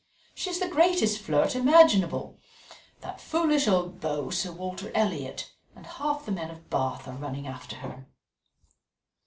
She is the greatest flirt imaginable: that foolish old beau, Sir Walter Elliot, and half the men of Bath are running after her."